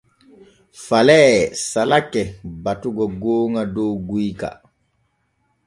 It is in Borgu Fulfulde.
Falee salake batugo gooŋa dow guyka.